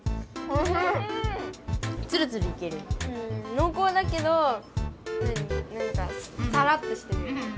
のうこうだけどなになんかさらっとしてるよね。